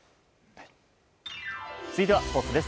続いてはスポーツです。